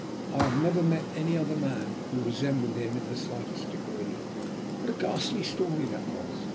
"I have never met any other man who resembled him in the slightest degree. What a ghastly story that was!